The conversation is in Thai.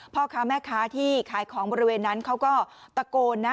พ่อค้าแม่ค้าที่ขายของบริเวณนั้นเขาก็ตะโกนนะ